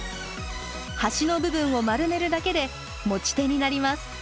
端の部分を丸めるだけで持ち手になります。